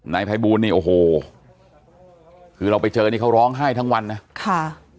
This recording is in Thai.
นายภัยบูลนี่โอ้โหคือเราไปเจอนี่เขาร้องไห้ทั้งวันนะค่ะ